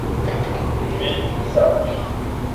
Et il passa outre.